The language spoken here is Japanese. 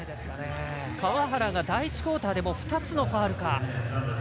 川原が第１クオーターで２つのファウルか。